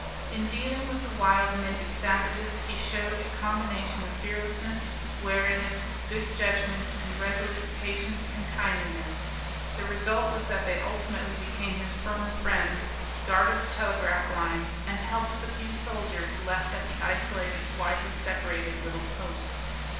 In dealing with the wild, naked savages he showed a combination of fearlessness, wariness, good judgment, and resolute patience and kindliness. The result was that they ultimately became his firm friends, guarded the telegraph lines, and helped the few soldiers left at the isolated, widely separated little posts.